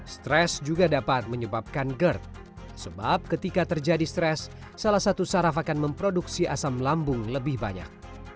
stres juga dapat menyebabkan gerd sebab ketika terjadi stres salah satu saraf akan memproduksi asam lambung lebih banyak